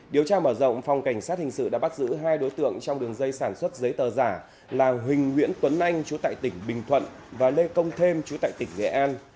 điều tra mở rộng phòng cảnh sát hình sự đã bắt giữ hai đối tượng trong đường dây sản xuất giấy tờ giả là huỳnh nguyễn tuấn anh chú tại tỉnh bình thuận và lê công thêm chú tại tỉnh nghệ an